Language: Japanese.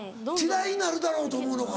嫌いになるだろうと思うのか。